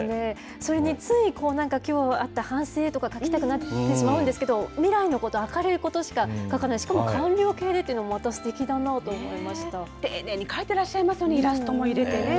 それについ、なんかきょうはこうあった、反省とか書きたくなってしまうんですけれども、未来のこと、明るいことしか、書かない、しかも完了形でというのも、またすてきだ丁寧に書いてらっしゃいますカラフル。